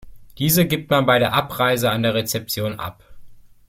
Diese gibt man bei der Abreise an der Rezeption ab.